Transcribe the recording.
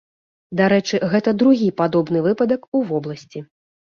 Дарэчы, гэта другі падобны выпадак у вобласці.